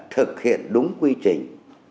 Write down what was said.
thực hiện đúng quy trình